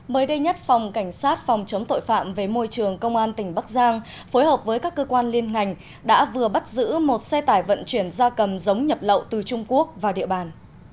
mới đây nhất phòng cảnh sát phòng chống tội phạm về môi trường công an tỉnh bắc giang phối hợp với các cơ quan liên ngành đã vừa bắt giữ một xe tải vận chuyển da cầm giống nhập lậu từ trung quốc vào địa bàn